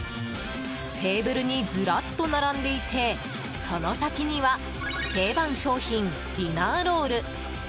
テーブルにずらっと並んでいてその先には定番商品、ディナーロール。